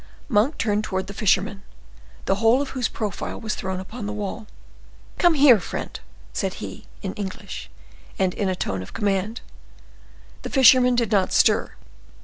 Monk turned towards the fisherman, the whole of whose profile was thrown upon the wall. "Come here, friend!" said he in English, and in a tone of command. The fisherman did not stir.